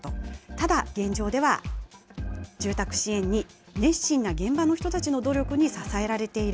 ただ、現状では、住宅支援に熱心な現場の人たちの努力に支えられている。